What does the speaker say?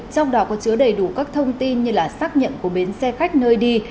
trong đó có chứa đầy đủ các thông tin như là xác nhận của bến xe khách nơi đi